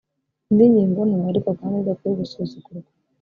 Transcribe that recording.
Indi ngingo nto ariko kandi idakwiye gusuzugurwa